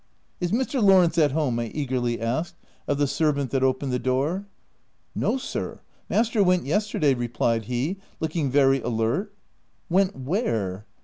" Is Mr. Lawrence at home P I eagerly asked of the servant that opened the door. f * No sir, master went yesterday," replied he, looking very alert. '' Went where?"